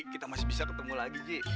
kita masih bisa ketemu lagi ji